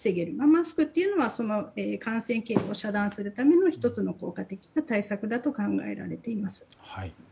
マスクはその感染経路を遮断するための１つの対策だと考えられています。